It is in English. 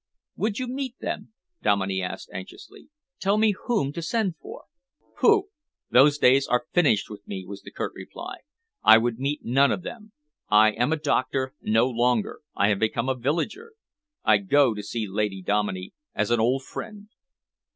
"Would you meet them?" Dominey asked anxiously. "Tell me whom to send for?" "Pooh! Those days are finished with me," was the curt reply. "I would meet none of them. I am a doctor no longer. I have become a villager. I go to see Lady Dominey as an old friend."